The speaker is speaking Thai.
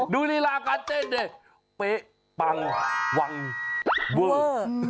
ดูนิราการเต้นเนี่ยเป๊ะปังวังเวอร์